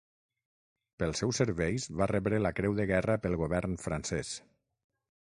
Pels seus serveis va rebre la Creu de Guerra pel govern francès.